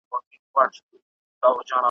په درمل پسي د سترګو یې کتله ,